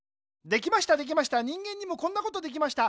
できましたできました人間にもこんなことできました。